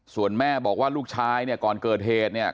ส่วนแม่บอกว่าลูกชายเนี่ยก่อนเกิดเหตุเนี่ย